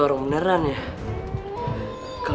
sekarang begini makanya nyambung